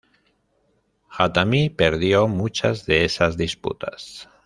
Jatamí perdió muchas de esas disputas.